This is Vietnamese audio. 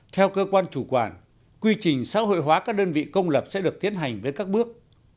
theo cơ quan chủ quản quy trình xã hội hóa các đơn vị công lập sẽ được tiến hành với các bước